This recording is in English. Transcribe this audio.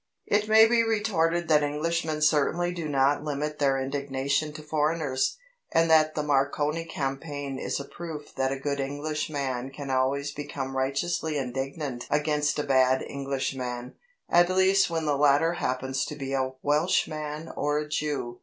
It may be retorted that Englishmen certainly do not limit their indignation to foreigners, and that the Marconi campaign is a proof that a good Englishman can always become righteously indignant against a bad Englishman at least when the latter happens to be a Welshman or a Jew.